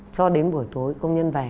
cho đến buổi tối công nhân về